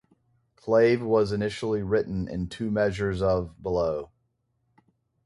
Clave was initially written in two measures of (below).